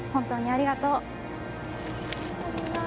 ありがとう。